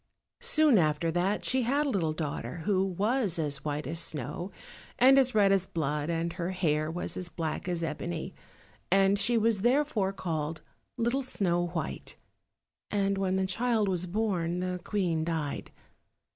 Soon after that she had a little daughter, who was as white as snow, and as red as blood, and her hair was as black as ebony; and she was therefore called Little Snow white. And when the child was born, the Queen died.